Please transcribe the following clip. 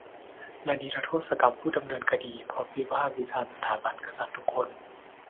และนิรโทษกรรมผู้ถูกดำเนินคดีเพราะวิพากษ์วิจารณ์สถาบันกษัตริย์ทุกคน